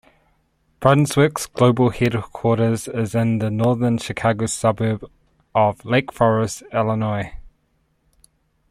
Brunswick's global headquarters is in the northern Chicago suburb of Lake Forest, Illinois.